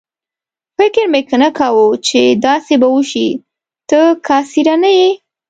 فکر مې نه کاوه چې داسې به وشي، ته کاسېره نه یې.